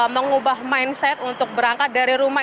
mengubah mindset untuk berangkat dari rumah